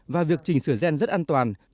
và việc chỉnh sửa gen rất an toàn